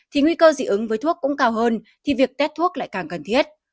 thì nguy cơ dị ứng với thuốc cũng cao hơn thì việc test thuốc lại càng cần thiết